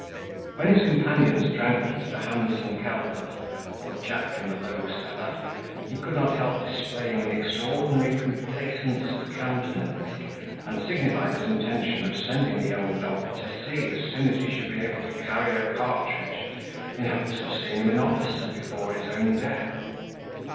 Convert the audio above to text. When his companions drank to the Hans en kelder, or Jack in the low cellar, he could not help displaying an extraordinary complacence of countenance, and signified his intention of sending the young dog to sea as soon as he should be able to carry a cartridge, in hopes of seeing him an officer before his own death.